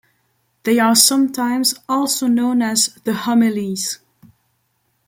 They are sometimes also known as "the homilies".